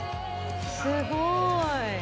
すごい。